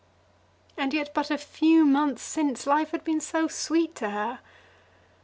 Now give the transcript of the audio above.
And yet but a few months since life had been so sweet to her!